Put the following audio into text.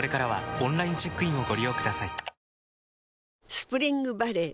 スプリングバレー